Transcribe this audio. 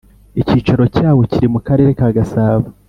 icyicaro cyawo kiri mu karere ka gasabo